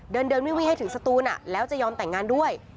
เดินวิ่งให้ถึงสตูนแล้วจะยอมแต่งงานด้วย